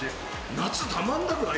夏、たまらなくない？